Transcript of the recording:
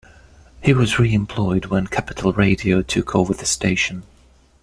He was reemployed when Capital Radio took over the station.